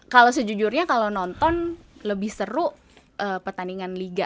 kalau sejujurnya kalau nonton lebih seru pertandingan liga